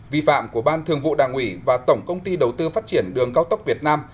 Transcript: vi phạm của ban thường vụ đảng ủy và tổng công ty đầu tư phát triển đường cao tốc việt nam